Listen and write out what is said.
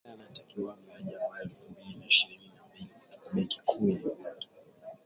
Kulingana na takwimu za Januari elfu mbili na ishirini na mbili kutoka Benki Kuu ya Uganda